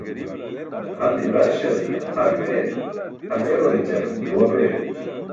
Hal i̇garśar har bee, hal ewarćar buwa bee.